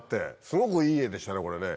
すごくいい画でしたねこれね。